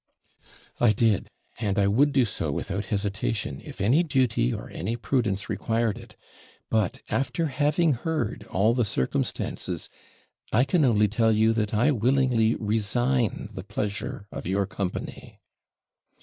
'I did; and I would do so without hesitation, if any duty or any prudence required it. But, after having heard all the circumstances, I can only tell you that I willingly resign the pleasure of your company.'